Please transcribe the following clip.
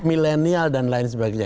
millenial dan lain sebagainya